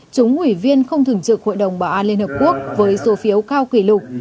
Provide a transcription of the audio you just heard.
chúng ủy viên không thường trực hội đồng bảo an liên hợp quốc với số phiếu cao kỷ lục